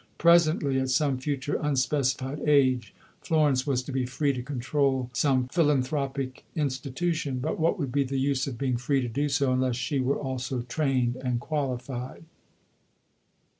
Presently, at some future unspecified age, Florence was to be free to control some philanthropic institution; but what would be the use of being free to do so, unless she were also trained and qualified?